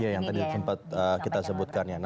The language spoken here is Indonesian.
ini dia yang kita sebutkan